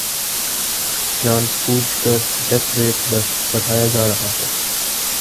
جان بوجھ کر death rate بڑھایا جا رہا ہے